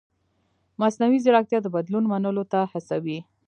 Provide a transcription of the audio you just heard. مصنوعي ځیرکتیا د بدلون منلو ته هڅوي.